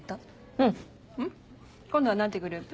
うん！今度は何てグループ？